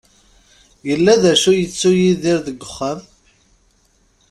Yella d acu i yettu Yidir deg wexxam.